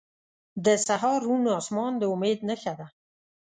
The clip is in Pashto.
• د سهار روڼ آسمان د امید نښه ده.